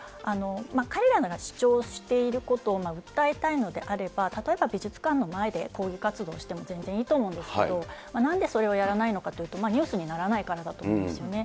彼らが主張していること訴えたいのであれば、例えば美術館の前で抗議活動をしても全然いいと思うんですけれども、なんでそれをやらないのかというと、ニュースにならないからだと思うんですよね。